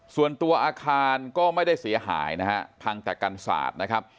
ส่วนตัวอาคารก็ไม่ได้เสียหายนะฮะพังแต่กันศาสตร์นะครับ